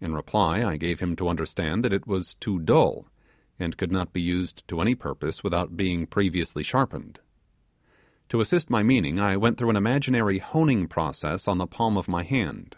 In reply, I gave him to understand that it was too dull, and could not be used to any purpose without being previously sharpened. To assist my meaning, I went through an imaginary honing process on the palm of my hand.